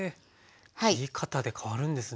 切り方で変わるんですね。